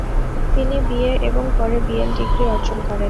তিনি B. A. এবং পরে বি. এল. ডিগ্রী অর্জন করেন।